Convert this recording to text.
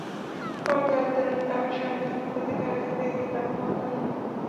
বরং জ্বালানি তেলের দামের সঙ্গে আনুপাতিক হারে সিএনজির দাম কমাতে হবে।